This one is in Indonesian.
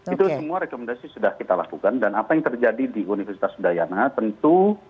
itu semua rekomendasi sudah kita lakukan dan apa yang terjadi di universitas udayana tentu